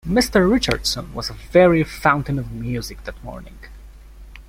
Mr. Richardson was a very fountain of music that morning.